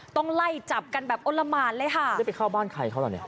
ต้องไล่จับกันแบบอ้นละหมานเลยค่ะหรือไปเข้าบ้านใครเขาล่ะเนี่ย